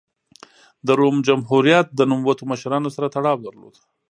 د روم جمهوریت د نوموتو مشرانو سره تړاو درلود.